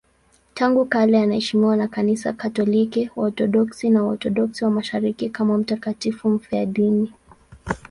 Tangu kale anaheshimiwa na Kanisa Katoliki, Waorthodoksi na Waorthodoksi wa Mashariki kama mtakatifu mfiadini.